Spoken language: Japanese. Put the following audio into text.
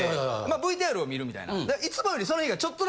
ＶＴＲを見るみたいな。